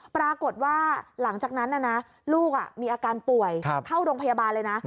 ปรากฏว่าหลังจากนั้นลูกมีอาการป่วยเข้าโรงพยาบาลเลยนะ